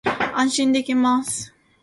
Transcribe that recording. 安心できます